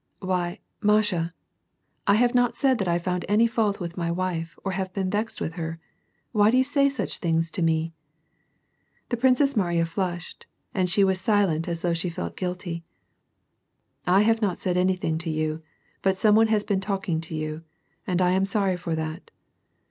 "Why, Masha, I have not said that I found any fault with my wife, or been vexed with her. Why do you say such things to me ?" The Princess Mariya flushed^ and she was silent as though she felt guilty. "I have not said anything to you, but some one has been talking to you. And I am sorry for that."